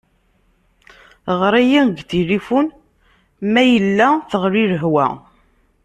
Ɣer-iyi deg tilifun ma yella teɣli lehwa.